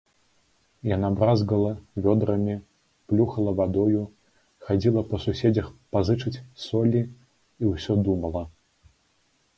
Яна бразгала вёдрамі, плюхала вадою, хадзіла па суседзях пазычыць солі і ўсё думала.